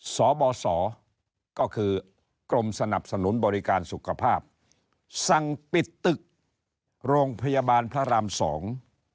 สบสก็คือกรมสนับสนุนบริการสุขภาพสั่งปิดตึกโรงพยาบาลพระรามสอง